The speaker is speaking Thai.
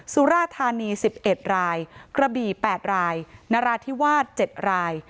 สุราธานี๑๑รายกระบี่๘รายนราธิวาส๗ราย